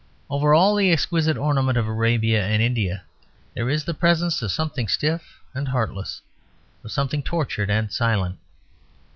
Over all the exquisite ornament of Arabia and India there is the presence of something stiff and heartless, of something tortured and silent.